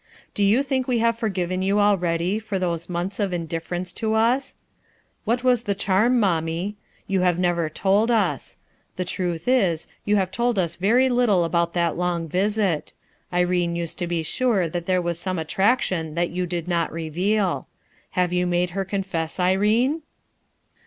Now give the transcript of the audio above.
Do you think we have forgiven you already for those months of indifference to us ? What was the charm, mommie ? You have never told us. The truth is, you have told us very little about that long visit. Irene used to be sure that there was some attrac tion that you did not reveal. Have you made her confess, Irene?"